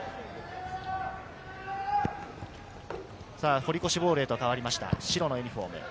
堀越ボールへとかわりました、白のユニホーム。